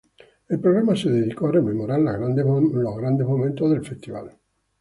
El programa se dedicó a rememorar los grandes momentos del festival.